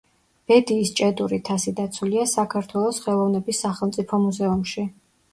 ბედიის ჭედური თასი დაცულია საქართველოს ხელოვნების სახელმწიფო მუზეუმში.